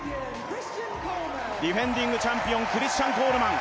ディフェンディングチャンピオン、クリスチャン・コールマン。